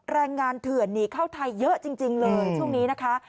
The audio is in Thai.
แรงงานเถื่อนหนีเข้าไทยเยอะจริงเลยช่วงนี้นะคะ